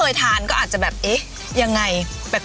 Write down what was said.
เอาเอาเปลี่ยนต้นดีกว่า